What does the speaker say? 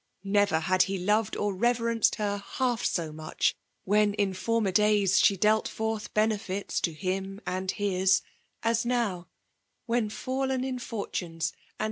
Never had he loved or reverenced her half so much, when in former days she dealt forth benefits to him and his, as now, when, fallen in fortunes and FEMAI.